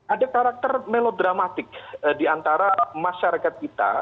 ada karakter melodramatik di antara masyarakat kita